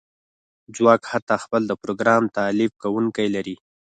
ځواک حتی خپل د پروګرام تالیف کونکی لري